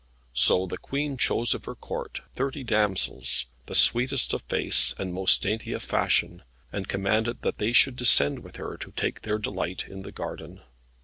So the Queen chose of her Court thirty damsels the sweetest of face and most dainty of fashion and commanded that they should descend with her to take their delight in the garden.